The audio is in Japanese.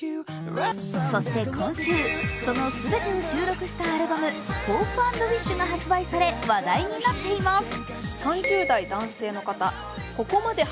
そして今週、その全てを収録したアルバム、「ＨＯＰＥ／ＷＩＳＨ」が発売され話題になっています。